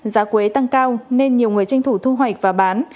giá quế tăng cao nên nhiều người tranh thủ thu hoạch và bán